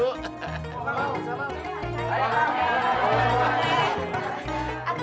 mau mau sama sama